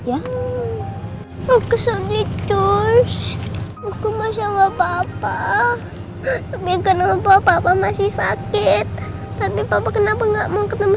aku sedih cuy aku mau sama papa tapi kenapa papa masih sakit tapi papa kenapa enggak mau ketemu